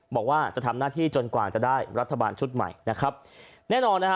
บอกว่าจะทำหน้าที่จนกว่าจะได้รัฐบาลชุดใหม่นะครับแน่นอนนะฮะ